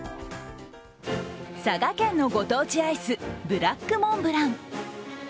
佐賀県のご当地アイス・ブラックモンブラン。